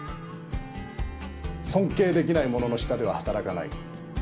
尊敬できない者の下では働かない。